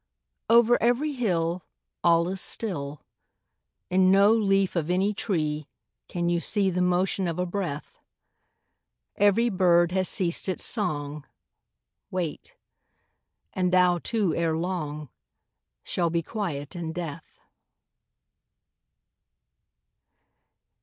I Over every hill All is still ; In no leaf of any tree Can you see The motion of a breath. Every bird has ceased its song, Wait ; and thou too, ere long, Shall be quiet in death.